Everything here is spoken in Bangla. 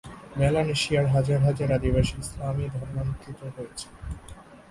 মেলানেশিয়ায় হাজার হাজার আদিবাসী ইসলামে ধর্মান্তরিত হয়েছে।